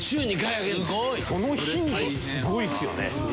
その頻度すごいですよね。